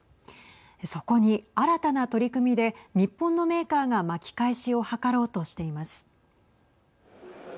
そこに新たな取り組みで日本のメーカーが巻き返しを図ろうとしています。